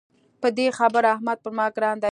په دې خبره احمد پر ما ګران دی.